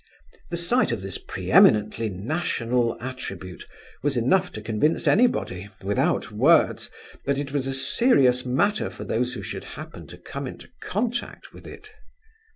The sight of this pre eminently national attribute was enough to convince anybody, without words, that it was a serious matter for those who should happen to come into contact with it.